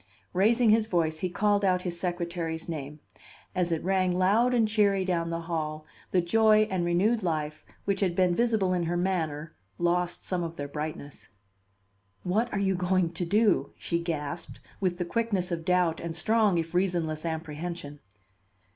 Raising his voice, he called out his secretary's name. As it rang loud and cheery down the hall, the joy and renewed life which had been visible in her manner lost some of their brightness. "What are you going to do?" she gasped, with the quickness of doubt and strong if reasonless apprehension.